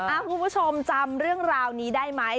คุณผู้ชมจำเรื่องราวนี้ได้ไหม